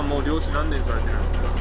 何年されてるんですか？